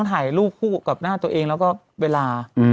ถ่ายรูปคู่กับหน้าตัวเองแล้วก็เวลา